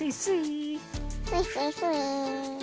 スイスイスイー。